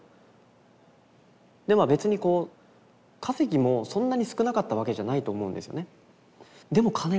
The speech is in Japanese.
でまあ別にこう稼ぎもそんなに少なかったわけじゃないと思うんですよね。